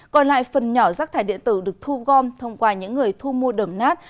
còn lại phần nhỏ rác thải điện tử được thu gom thông qua những người thu mua đầm nát